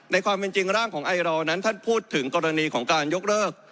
ความเป็นจริงร่างของไอรอลนั้นท่านพูดถึงกรณีของการยกเลิก